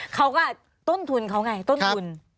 เขาก็ต้นทุนเขาไงต้นทุน